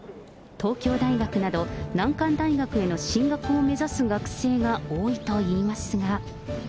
東京大学など、難関大学への進学を目指す学生が多いといいますが。